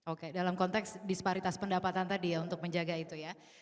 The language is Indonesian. oke dalam konteks disparitas pendapatan tadi ya untuk menjaga itu ya